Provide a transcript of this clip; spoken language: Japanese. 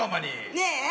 ねえ。